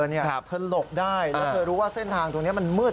เขาหลบได้แล้วที่รู้ว่าเส้นทางที่นี่มันมืด